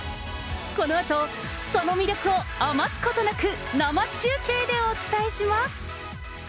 このあと、その魅力を余すことなく生中継でお伝えします。